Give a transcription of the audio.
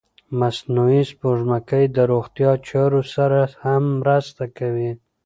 مصنوعي سپوږمکۍ د روغتیا چارو سره هم مرسته کوي.